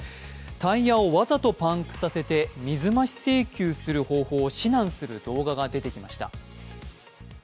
タイヤをわざとパンクさせて水増し請求する方法を指南する動画が出てきました。